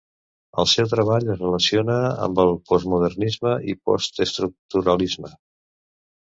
El seu treball es relaciona amb el postmodernisme i el postestructuralisme.